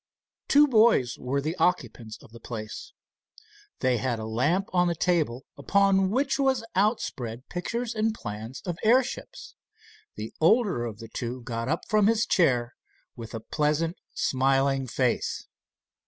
Two boys were the occupants of the place. They had a lamp on the table, upon which was outspread pictures and plans of airships. The older of the two got up from his chair with a pleasant smiling face.